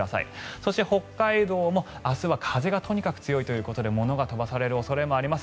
そして、北海道も明日はとにかく風が強いということで物が飛ばされる恐れもあります。